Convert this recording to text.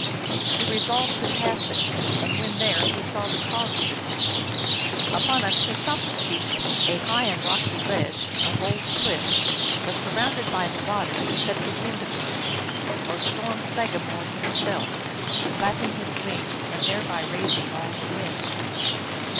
He resolved to pass it, and when there he saw the cause of the tempest. Upon a kwesopskeal? a high and rocky ledge, a bold cliff, but surrounded by the water sat the Wind Bird, or storm sagamore himself, flapping his wings, and thereby raising all the wind.